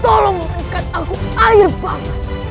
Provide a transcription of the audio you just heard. tolong mengingatkan aku air banget